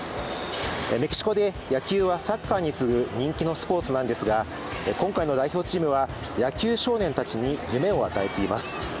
メキシコで野球はサッカーに次ぐ人気のスポーツなんですが今回の代表チームは野球少年たちに夢を与えています。